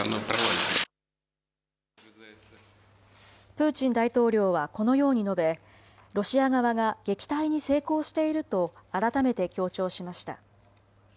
プーチン大統領はこのように述べ、ロシア側が撃退に成功していると改めて強調しました。